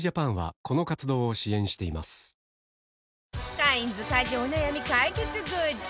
カインズ家事お悩み解決グッズ